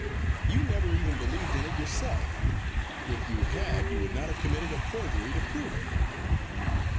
You never even believed in it yourself. If you had, you would not have committed a forgery to prove it."